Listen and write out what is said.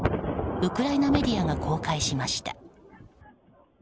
ウクライナメディアが公開しました。